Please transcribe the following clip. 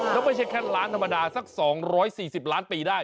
แล้วไม่ใช่แค่ล้านธรรมดาสัก๒๔๐ล้านปีได้